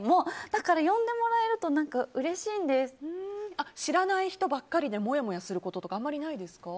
だから、呼んでもらえると知らない人ばっかりでもやもやすることとかあまりないですか？